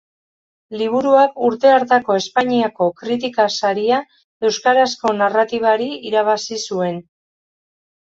Liburuak urte hartako Espainiako Kritika Saria euskarazko narratibari irabazi zuen.